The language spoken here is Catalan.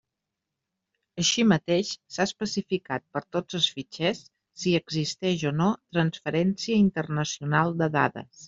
Així mateix, s'ha especificat per tots els fitxers, si existeix o no transferència internacional de dades.